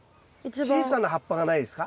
小さな葉っぱがないですか？